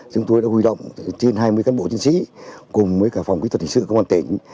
chúng tôi đã huy động trên hai mươi cán bộ chiến sĩ cùng với cả phòng kỹ thuật hình sự công an tỉnh